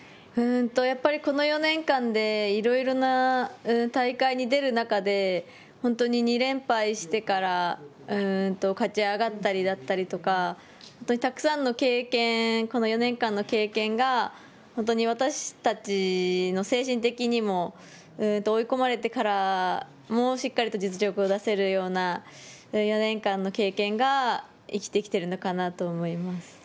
やっぱり、この４年間でいろいろな大会に出る中で、本当に２連敗してから勝ち上がったりだったりとか、本当にたくさんの経験、この４年間の経験が、本当に私たちの精神的にも追い込まれてからも、しっかりと実力を出せるような４年間の経験が生きてきてるのかな